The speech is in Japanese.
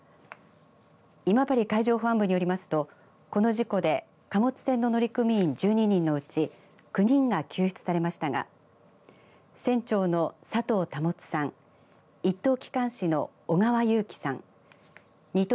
今治海上保安部によりますとこの事故で貨物船の乗組員１２人のうち９人が救出されましたが船長の佐藤保さん１等